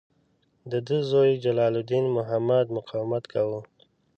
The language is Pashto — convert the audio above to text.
د ده زوی جلال الدین محمد مقاومت کاوه.